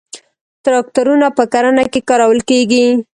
تراکتورونه په کرنه کې کارول کیږي